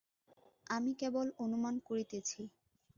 আমি কেবল অনুমান করিতেছি।